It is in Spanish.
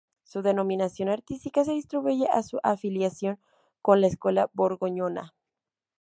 Su denominación artística se atribuye a su afiliación con la escuela borgoñona.